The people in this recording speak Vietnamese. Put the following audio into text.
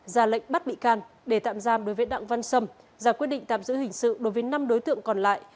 ra lệnh bắt bị can để tạm giam đối với đặng văn sâm ra quyết định tạm giữ hình sự đối với năm đối tượng còn lại